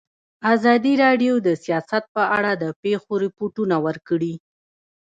ازادي راډیو د سیاست په اړه د پېښو رپوټونه ورکړي.